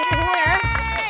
suju semua ya